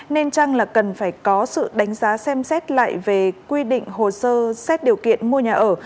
nên chăng là cần phải có sự đánh giá xem xét lại về quy định hồ sơ xét điều kiện mua nhà ở